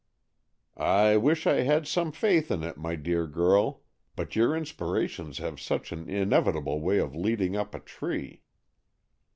"I wish I had some faith in it, my dear girl; but your inspirations have such an inevitable way of leading up a tree."